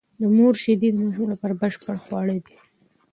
د مور شېدې د ماشوم لپاره بشپړ خواړه دي.